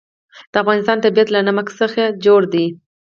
د افغانستان طبیعت له نمک څخه جوړ شوی دی.